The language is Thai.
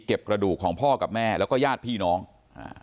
กระดูกของพ่อกับแม่แล้วก็ญาติพี่น้องอ่า